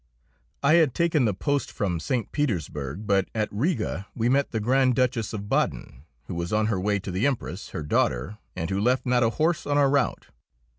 I had taken the post from St. Petersburg, but at Riga we met the Grand Duchess of Baden, who was on her way to the Empress, her daughter, and who left not a horse on our route.